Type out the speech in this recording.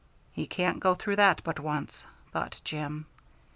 "He can't go through that but once," thought Jim.